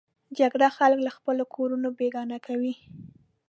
جګړه خلک له خپلو کورونو بېګانه کوي